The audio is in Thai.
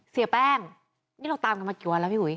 เสียแป้งนี่เราตามกันมากี่วันแล้วพี่หุย